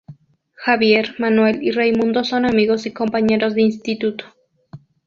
Javier, Manuel y Raimundo son amigos y compañeros de instituto.